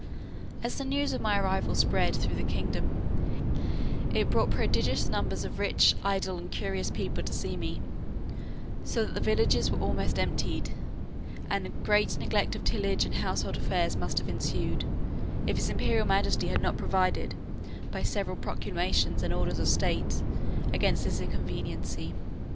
As the news of my arrival spread through the kingdom, it brought prodigious numbers of rich, idle, and curious people to see me; so that the villages were almost emptied; and great neglect of tillage and household affairs must have ensued, if his imperial majesty had not provided, by several proclamations and orders of state, against this inconveniency.